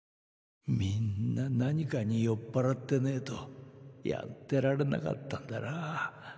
みんな何かに酔っ払ってねぇとやってられなかったんだな。